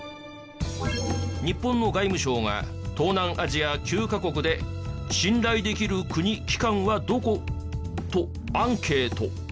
日本の外務省が「東南アジア９カ国で信頼できる国・機関はどこ？」とアンケート。